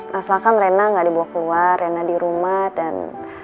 nah selangkan rena gak dibawa keluar rena di rumah dan